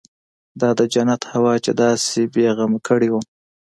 دا د جنت هوا چې داسې بې غمه کړى وم.